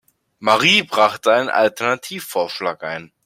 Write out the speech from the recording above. Marie brachte einen Alternativvorschlag ein.